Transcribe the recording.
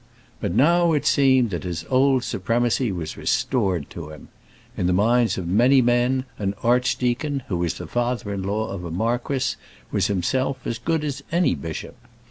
But now it seemed that his old supremacy was restored to him. In the minds of many men an archdeacon, who was the father in law of a marquis, was himself as good as any bishop.